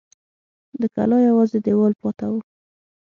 د کلا یوازې دېوال پاته و.